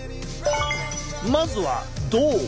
まずは「動」。